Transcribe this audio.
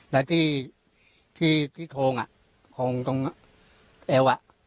แล้วที่โครงอ่ะโคงตรงเอวอ่ะ